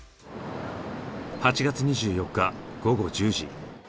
８月２４日午後１０時。